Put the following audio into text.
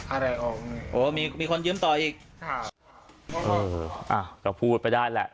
อะไรออกโอ้โหมีมีคนเยื้มต่ออีกอ่าก็พูดไปได้แหละ